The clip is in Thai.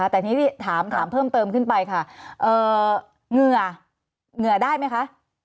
แต่นี่ถามเพิ่มเติมขึ้นไปค่ะเงื่อได้ไหมคะ